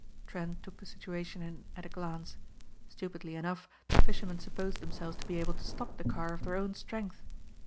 Trent took the situation in at a glance. Stupidly enough the fishermen supposed themselves to be able to stop the car of their own strength.